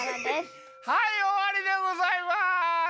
はいおわりでございます。